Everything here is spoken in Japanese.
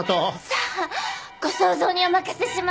さあご想像にお任せします。